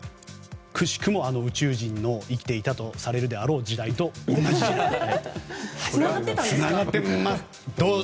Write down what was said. くしくもあの宇宙人が生きていたとされるであろう時代とつながってるんですかね。